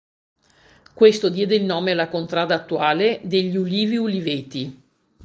Questo diede il nome alla contrada attuale, degli "ulivi-uliveti".